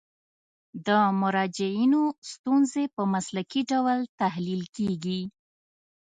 د مراجعینو ستونزې په مسلکي ډول تحلیل کیږي.